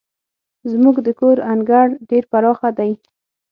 زموږ د کور انګړ ډير پراخه دی.